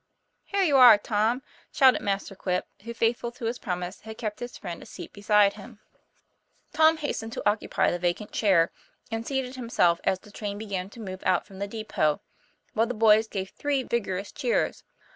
'Here you are, Tom!" shouted Master Quip, who faithful to his promise had kept his friend a seat beside him. 3 34 TOM PLA YFAIR. Tom hastened to occupy the vacant chair, and seated himself as the train began to move out from the depot, while the boys gave three vigorous cheers.